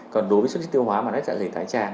còn đối với xuất huyết tiêu hóa mà nát dạ dày thái tràn